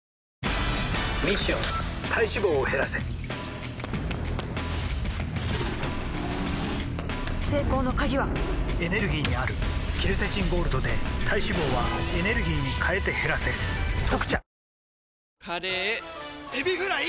ミッション体脂肪を減らせ成功の鍵はエネルギーにあるケルセチンゴールドで体脂肪はエネルギーに変えて減らせ「特茶」カレーエビフライ！